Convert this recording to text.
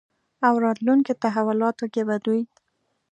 او راتلونکې تحولاتو کې به دوی